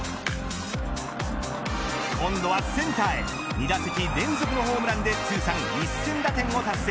今度はセンターへ２打席連続のホームランで通算１０００打点を達成。